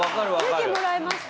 勇気もらえました？